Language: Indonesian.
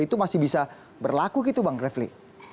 itu masih bisa berlaku gitu bang refli